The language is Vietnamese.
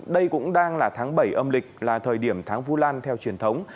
đây cũng đang là tháng bảy âm lịch là thời điểm tháng vu lan theo truyền thống